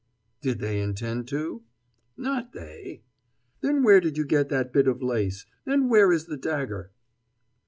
"Did they intend to?" "Not they!" "Then, where did you get that bit of lace? And where is the dagger?"